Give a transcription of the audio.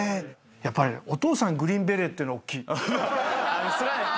やっぱりお父さんグリーンベレーっていうのおっきい。